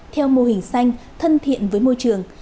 theo mô hình xanh thân thiện với môi trường